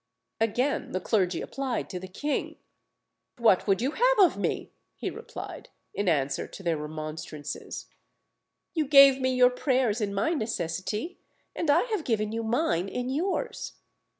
Again the clergy applied to the king. "What would you have of me?" he replied, in answer to their remonstrances: "you gave me your prayers in my necessity, and I have given you mine in yours."